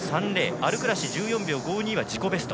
アルクラシ１４秒５２は自己ベスト。